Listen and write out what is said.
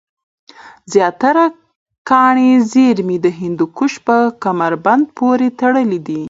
زیاتره کاني زېرمي د هندوکش په کمربند پورې تړلې دی